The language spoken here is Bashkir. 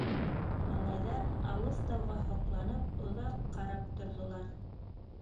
Малайҙар, алыҫ тауға һоҡланып, оҙаҡ ҡарап торҙолар.